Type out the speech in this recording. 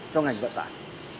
cho ngành vận tải